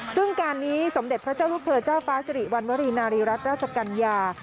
ซึ่งการนี้สมเด็จพระเจ้าลูกเธอเจ้าฟ้าสิริวัณวรีนารีรัฐราชกัญญา